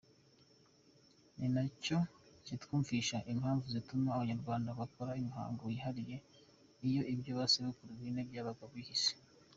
Ninacyo kitwumvisha impamvu yatumaga Abanyarwanda bakora imihango yihariye iyo ibyo bisekuru bine byabaga bihise.